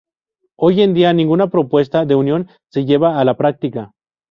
Hoy en día ninguna propuesta de unión se lleva a la práctica.